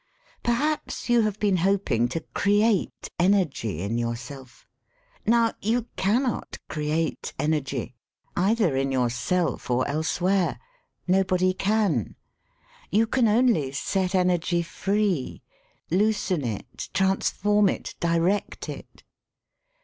Perhaps you have been hoping to create energy in yourself. Now, you cannot create energy, either in yourself or else S6 SELF AND SELF MANAGEMENT where. Nobody can. You can onlj set energj free, loosen it, transform it, direct it.